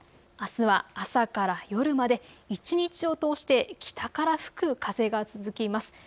あすは朝から夜まで一日を通して北から吹く風が続きます。